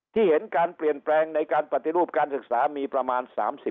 เห็นการเปลี่ยนแปลงในการปฏิรูปการศึกษามีประมาณ๓๐